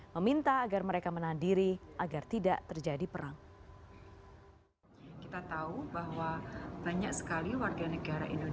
meminta agar mereka menahan diri agar tidak terjadi perang